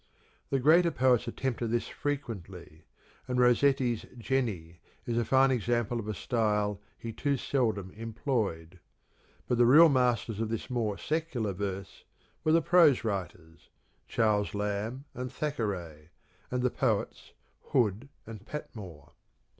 The greater poets attempted this frequently, and Rossetti's " Jenny " is a fine example of a style he too seldom employed; but the real masters of this more secular verse were the prose writers, Charles Lamb and Thackeray, and the poets, Hood and Patmore.